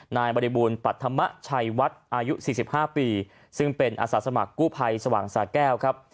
บริบูรณ์ปัธมชัยวัดอายุ๔๕ปีซึ่งเป็นอาสาสมัครกู้ภัยสว่างสาแก้วครับ